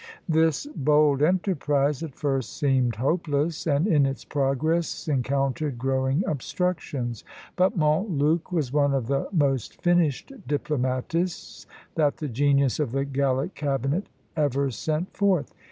This bold enterprise at first seemed hopeless, and in its progress encountered growing obstructions; but Montluc was one of the most finished diplomatists that the genius of the Gallic cabinet ever sent forth.